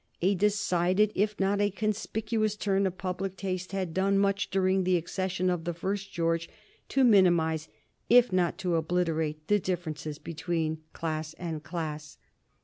A decided, if not a conspicuous, turn of public taste had done much since the accession of the first George to minimize if not to obliterate the differences between class and class.